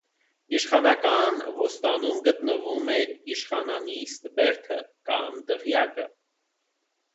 Իշխանական ոստանում գտնվում էր իշխանանիստ բերդը կամ դղյակը։